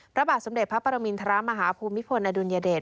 พระบาทสมเด็จพระปรมินทรมาฮภูมิพลอดุลยเดช